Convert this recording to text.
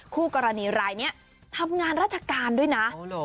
คู่กรณีรายนี้ทำงานราชการด้วยนะ